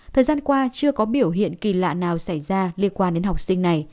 thời gian qua chưa có biểu hiện kỳ lạ nào xảy ra liên quan đến học sinh này